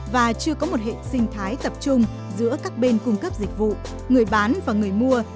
và chưa có một hệ sinh thái tập trung giữa các bên cung cấp dịch vụ người bán và người mua